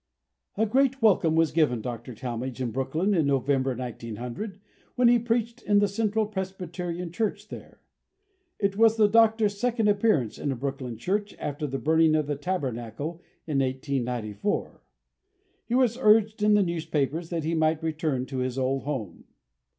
] A great welcome was given Dr. Talmage in Brooklyn, in November, 1900, when he preached in the Central Presbyterian Church there. It was the Doctor's second appearance in a Brooklyn church after the burning of the Tabernacle in 1894. It was urged in the newspapers that he might return to his old home.